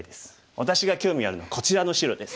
私が興味あるのはこちらの白です」。